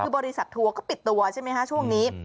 คือบริษัททัวร์ก็ปิดตัวใช่ไหมคะช่วงนี้